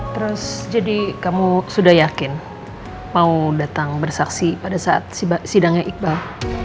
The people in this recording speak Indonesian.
terus jadi kamu sudah yakin mau datang bersaksi pada saat sidangnya iqbal